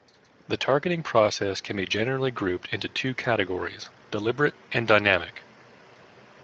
The targeting process can be generally grouped into two categories: deliberate and dynamic.